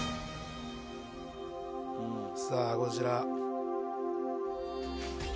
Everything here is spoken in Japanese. さぁこちら。